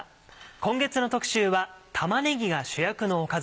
今月の特集は「玉ねぎが主役のおかず」。